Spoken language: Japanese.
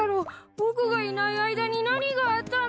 僕がいない間に何があったの？